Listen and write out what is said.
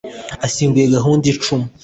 Ashinguye guhunga icumu